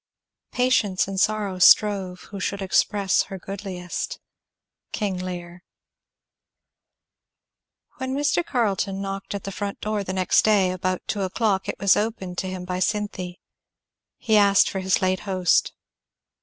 Patience and sorrow strove Who should express her goodliest. King Lear. When Mr. Carleton knocked at the front door the next day about two o'clock it was opened to him by Cynthy. He asked for his late host.